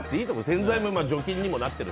洗剤の除菌にもなってる。